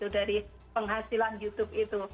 dari penghasilan youtube itu